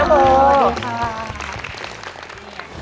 สวัสดีค่ะ